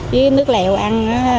với nước lẹo ăn